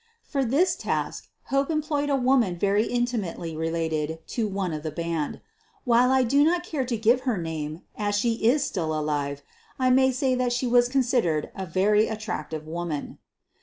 For this task Hope employed a woman very in timately related to one of the band. While I do not care to give her name, as she is still alive, I may Bay that she was considered a very attractive woman.